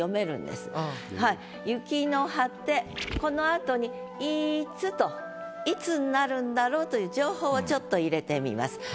このあとに「いつ」といつになるんだろうという情報をちょっと入れてみます。